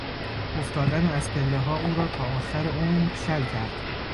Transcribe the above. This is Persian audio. افتادن از پلهها او را تا آخر عمر شل کرد.